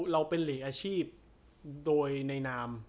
เราเป็นหลีกอาชีพโดยในนาม